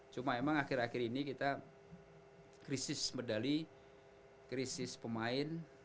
cuma emang akhir akhir ini kita krisis medali krisis pemain